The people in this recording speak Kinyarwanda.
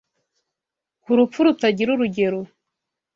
Ku rupfu rutagira urugero